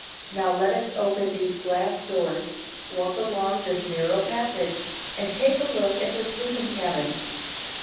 Now let us open these glass doors, walk along this narrow passage, and take a look at the sleeping cabins.